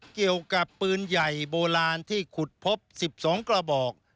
เกี่ยวกับปืนใหญ่โบราณที่ขุดพบ๑๒กระบอก